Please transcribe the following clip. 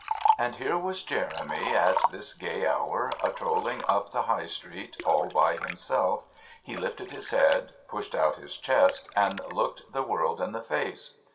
And here was Jeremy, at this gay hour, a trolling up the High Street all by himself he lifted his head, pushed out his chest, and looked the world in the face.